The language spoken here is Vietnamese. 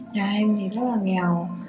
nhà em thì rất là nghèo